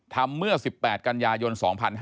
เมื่อ๑๘กันยายน๒๕๕๙